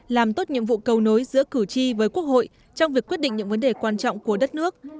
làm tốt nhiệm vụ cầu nối giữa cử tri với quốc hội trong việc quyết định những vấn đề quan trọng của đất nước